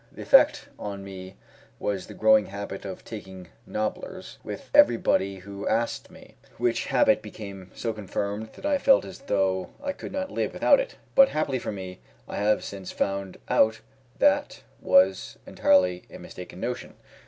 The effect on me was the growing habit of taking nobblers with everybody who asked me, which habit became so confirmed that I felt as though I could not live without it; but, happily for me, I have since found out that that was entirely a mistaken notion.